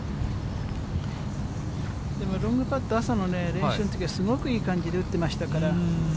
でもロングパット、朝の練習のときは、すごくいい感じで打ってましたから。